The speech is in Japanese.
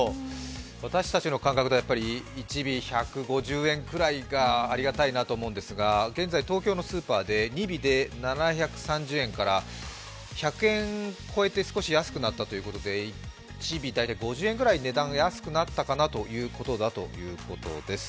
私たちの感覚では１尾１５０円くらいがありがたいと思うんですが、現在、東京のスーパーで２尾で７３０円から１００円超えて少し安くなったということで、１尾大体５０円ぐらい安くなったということです。